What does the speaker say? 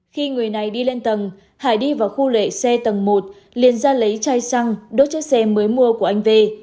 khi người này đi lên tầng hải đi vào khu lệ xe tầng một liên ra lấy chai xăng đốt chai xe mới mua của anh v